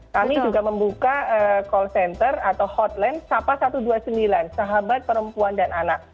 kami juga membuka call center atau hotline sapa satu ratus dua puluh sembilan sahabat perempuan dan anak